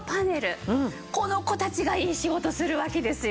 この子たちがいい仕事するわけですよ。